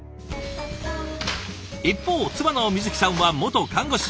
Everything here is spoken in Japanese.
一方妻の美都紀さんは元看護師。